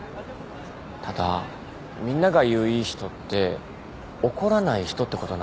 ただみんなが言ういい人って怒らない人ってことなんですよね。